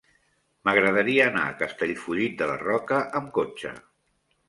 M'agradaria anar a Castellfollit de la Roca amb cotxe.